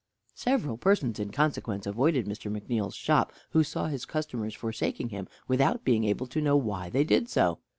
Several persons in consequence avoided Mr. McNeal's shop, who saw his customers forsaking him without being able to know why they did so.